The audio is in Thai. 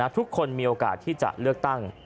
ทุกคนมีโอกาสที่จะเลือกตั้ง